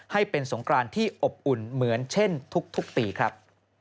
ให้เป็นสงกรานที่อบอุ่นเหมือนเช่นทุกปีครับ